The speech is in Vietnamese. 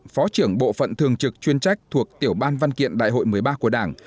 phó trưởng bộ phận thường trực chuyên trách thuộc tiểu ban văn kiện đại hội một mươi ba của đảng